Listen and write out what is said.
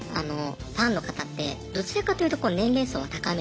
ファンの方ってどちらかというと年齢層は高め。